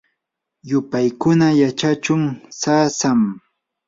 yupaykuna yachakuy sasam.